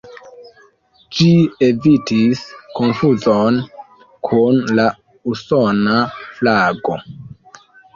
Ĝi evitis konfuzon kun la usona flago.